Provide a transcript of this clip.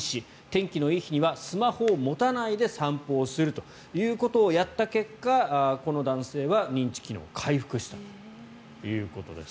天気のいい日にはスマホを持たないで散歩をするということをやった結果この男性は認知機能が回復したということです。